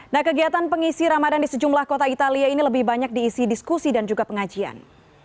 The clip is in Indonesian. nah kegiatan pengisi ramadan di sejumlah kota italia ini lebih banyak diisi diskusi dan juga pengajian